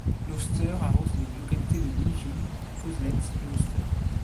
L'Oster arrose les localités de Nijyn, Kozelets et Oster.